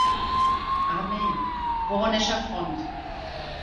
Armee (Woronescher Front).